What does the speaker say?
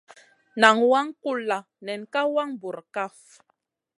Nan waŋ kulla nen ka wang bura kaf.